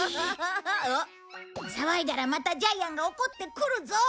騒いだらまたジャイアンが怒って来るぞ。